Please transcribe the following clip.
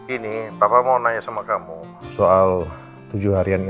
ini papa mau nanya sama kamu soal tujuh harian ini